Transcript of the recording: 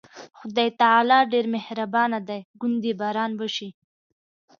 خدای تعالی ډېر مهربانه دی، ګوندې باران وشي.